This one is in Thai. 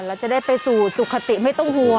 แล้วจะได้ไปสู่สุขติไม่ต้องห่วง